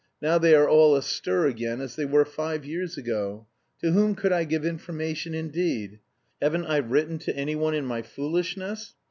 Now they are all astir again as they were five years ago. To whom could I give information, indeed? 'Haven't I written to anyone in my foolishness?'